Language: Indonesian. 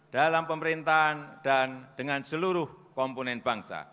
dalam pemerintahan dan dengan seluruh komponen bangsa